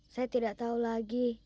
saya tidak tahu lagi